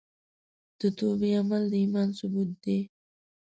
د توبې عمل د ایمان ثبوت دی.